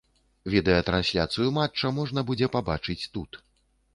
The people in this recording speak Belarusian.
Відэатрансляцыю матча можна будзе пабачыць тут.